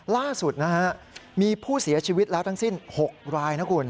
ล่าสุดนะฮะมีผู้เสียชีวิตแล้วทั้งสิ้น๖รายนะคุณ